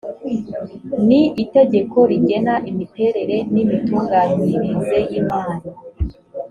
ni itegeko rigena imiterere n’imitunganyirize y’imari